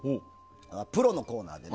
プロのコーナーで。